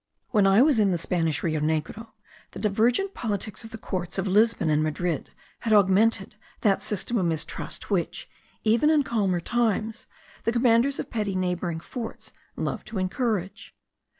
When I was in the Spanish Rio Negro, the divergent politics of the courts of Lisbon and Madrid had augmented that system of mistrust which, even in calmer times, the commanders of petty neighbouring forts love to encourage.